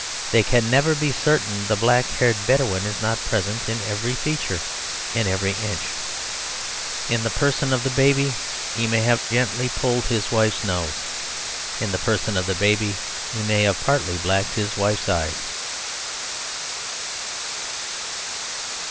They can never be certain the black haired Bedouin is not present in every feature, in every inch. In the person of the baby he may have gently pulled his wife's nose. In the person of the baby he may have partly blacked his wife's eyes.